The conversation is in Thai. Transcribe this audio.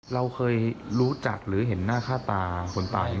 เราเคยรู้จักหรือเห็นหน้าค่าตาคนตาย